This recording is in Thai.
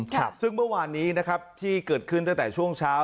ครับซึ่งเมื่อวานนี้นะครับที่เกิดขึ้นตั้งแต่ช่วงเช้า